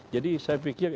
jadi saya pikir